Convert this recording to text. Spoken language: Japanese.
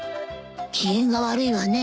機嫌が悪いわね。